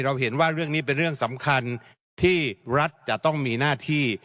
เห็นว่าเรื่องนี้เป็นเรื่องสำคัญที่รัฐจะต้องมีหน้าที่